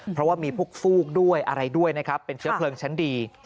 เพราะว่ามีพวกฟูกด้วยอะไรด้วยนะครับเป็นเชื้อเพลิงชั้นดี